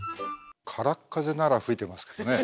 空っ風なら吹いてますけどねえ。